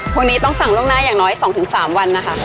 คนนี้ต้องสั่งล่วงหน้าอย่างน้อย๒๓วันนะคะ